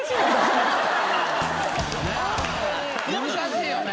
難しいよね。